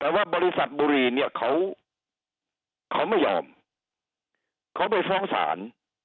แต่ว่าบริษัทบุรีเนี่ยเขาเขาไม่ยอมเขาไปฟ้องศาล